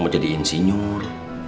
mau jadi insinyur